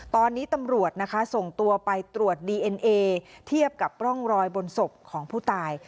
ตอนนี้ตำรวจนะคะส่งตัวไปตรวจดีเอ็นเอเทียบกับร่องรอยบนศพของผู้ตาย